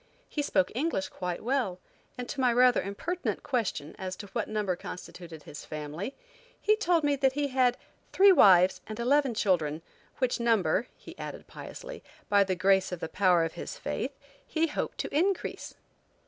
He spoke English quite well, and to my rather impertinent question as to what number constituted his family told me that he had three wives and eleven children, which number, he added piously, by the grace of the power of his faith, he hoped to increase.